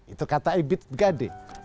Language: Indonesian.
itu kata ibid gade